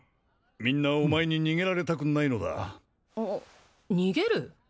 みんなお前に逃げられたくないのだ逃げる？